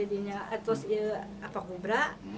terus apa kubrak